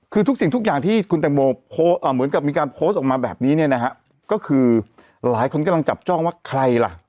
คือทุกอย่างที่คุณตังโมโพสต์ออกมาแบบนี้นะคือหลายคนกำลังจับเจ้าว่าใครล่ะ